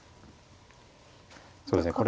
そうですねこれ。